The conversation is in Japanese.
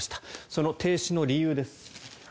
その停止の理由です。